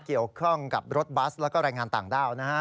เกี่ยวข้องกับรถบัสแล้วก็แรงงานต่างด้าวนะฮะ